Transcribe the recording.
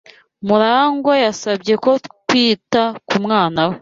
Murangwa yasabye ko twita ku mwana we.